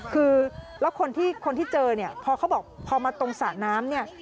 คือแล้วคนที่เจอเนี่ยพอเขาบอกพอมาตรงสระน้ำเนี่ย